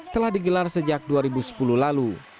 telah digelar sejak dua ribu sepuluh lalu